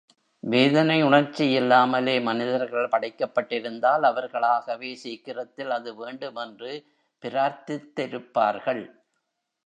வேதனை உணர்ச்சி யில்லாமலே மனிதர்கள் படைக்கப்பட்டிருந்தால், அவர்களாகவே சீக்கிரத்தில் அது வேண்டுமென்று பிரார்த்தித்திருப்பார்கள்.